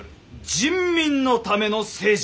人民のための政治。